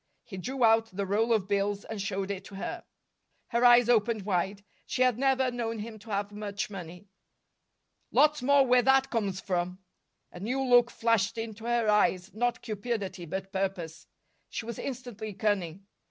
He drew out the roll of bills and showed it to her. Her eyes opened wide. She had never known him to have much money. "Lots more where that comes from." A new look flashed into her eyes, not cupidity, but purpose. She was instantly cunning.